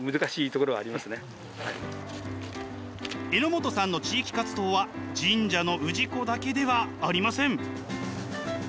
榎本さんの地域活動は神社の氏子だけではありません。